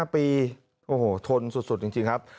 ๕ปีโอ้โหทนสุดจริงครับ